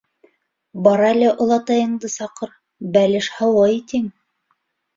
- Бар әле олатайыңды саҡыр, бәлеш һыуый тиң.